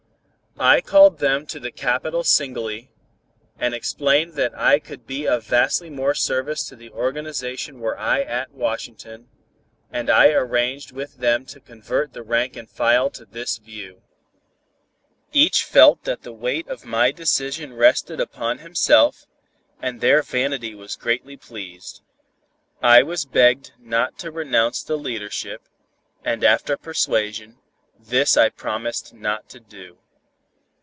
I called them to the capital singly, and explained that I could be of vastly more service to the organization were I at Washington, and I arranged with them to convert the rank and file to this view. Each felt that the weight of my decision rested upon himself, and their vanity was greatly pleased. I was begged not to renounce the leadership, and after persuasion, this I promised not to do.